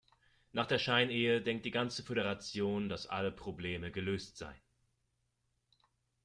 Nach der Scheinehe denkt die ganze Föderation, dass alle Probleme gelöst seien.